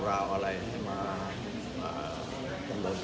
สวัสดีครับ